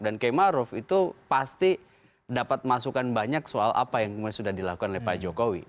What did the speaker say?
dan kay maruf itu pasti dapat masukkan banyak soal apa yang sudah dilakukan oleh pak jokowi